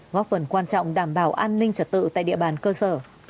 góp phần quan trọng đảm bảo an ninh trật tự tại địa bàn cơ sở